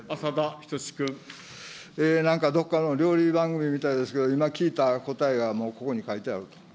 なんか、どっかの料理番組みたいですけれども、今、聞いた答えが、もうここに書いてあると。